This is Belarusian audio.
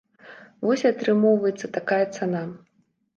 Вось і атрымоўваецца такая цана.